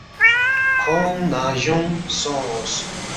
کھونگ ننگجونگ سونگس